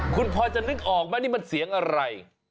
คุณพอจะนึกออกไหมนี่มันเสียงอะไร